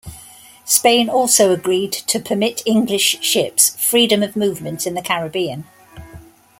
Spain also agreed to permit English ships freedom of movement in the Caribbean.